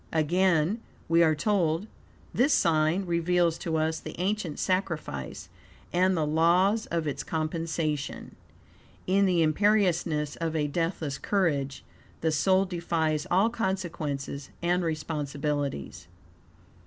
Again we are told, "this sign reveals to us the ancient sacrifice and the laws of its compensation." In the imperiousness of a deathless courage, the soul defies all consequences and responsibilities.